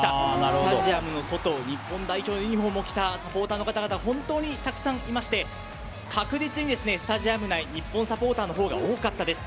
スタジアムの外日本代表のユニホームを着たサポーターの方が本当にたくさんいまして確実にスタジアム内日本サポーターのほうが多かったです。